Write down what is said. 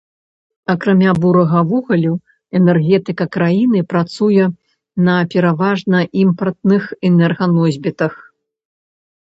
Акрамя бурага вугалю, энергетыка краіны працуе на пераважна імпартных энерганосьбітах.